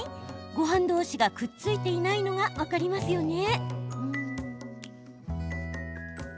ごはん同士がくっついていないのが分かりますよね？